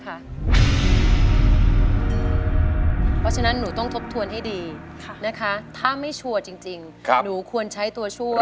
เพราะฉะนั้นหนูต้องทบทวนให้ดีนะคะถ้าไม่ชัวร์จริงหนูควรใช้ตัวช่วย